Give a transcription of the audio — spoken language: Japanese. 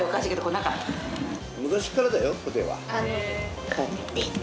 昔からだよこては。